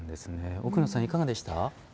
奥野さん、いかがでしたか？